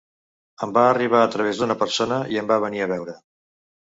Em va arribar a través d’una persona i em va venir a veure.